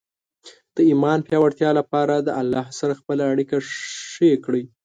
د ایمان پیاوړتیا لپاره د الله سره خپل اړیکه ښې کړئ.